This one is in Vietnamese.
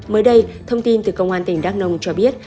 mới đây thông tin từ công an tỉnh đắk nông cho biết